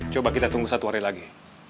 coba kita tunggu satu hari lagi